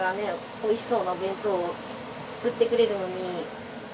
おいしそうなお弁当を作ってくれるのに。